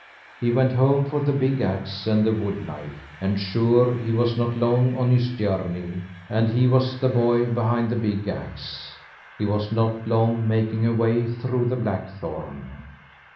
He went home for the big axe and the wood knife, and sure he was not long on his journey, and he was the boy behind the big axe. He was not long making a way through the blackthorn.